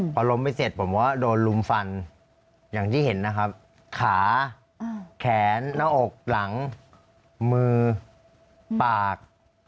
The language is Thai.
พอล้มไปเสร็จผมก็โดนลุมฟันอย่างที่เห็นนะครับขาแขนหน้าอกหลังมือปาก